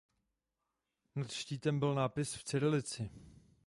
Nad štítem byl nápis v cyrilici.